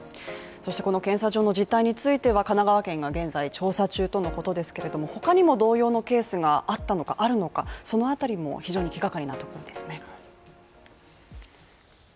そしてこの検査場の実態については神奈川県が現在調査中とのことですけれども他にも同様のケースがあったのかあるのか、そのあたりも非常に気がかりなところですね。